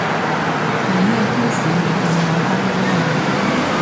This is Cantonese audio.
係咩驅使你咁愛返工啊？